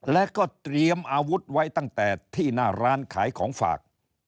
และก็เตรียมอาวุธไว้ตั้งแต่ที่หน้าร้านขายของฝาก